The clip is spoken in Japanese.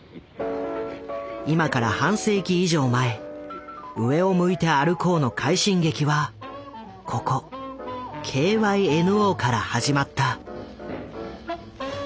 今から半世紀以上前「上を向いて歩こう」の快進撃はここＫＹＮＯから始まった。